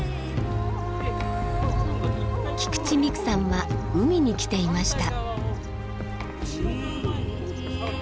菊地未来さんは海に来ていました。